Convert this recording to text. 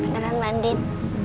beneran mbak din